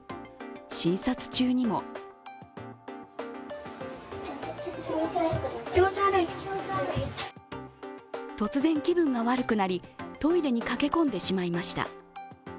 診察中にも突然、気分が悪くなりトイレに駆け込んでしまいました。